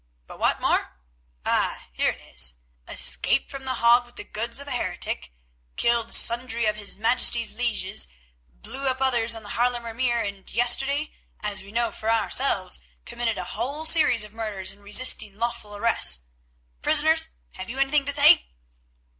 But what more? Ah! here it is. Escaped from The Hague with the goods of a heretic, killed sundry of his Majesty's lieges, blew up others on the Haarlemer Meer, and yesterday, as we know for ourselves, committed a whole series of murders in resisting lawful arrest. Prisoners, have you anything to say?"